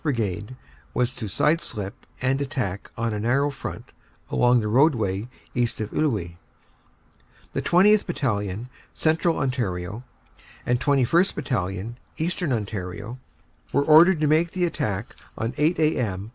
Brigade was to side slip and attack on a narrow front along the roadway east of Iwuy. The 20th. Battalion, Central Ontario, and 21st. Battalion, Eastern Ontario, were ordered to make the attack at 8 a.m.